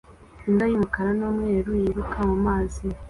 Imbwa y'umukara n'umweru yiruka mu mazi